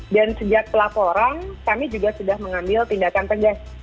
dan sejak pelaporan kami juga sudah mengambil tindakan tegas